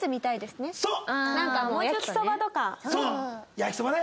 焼きそばね。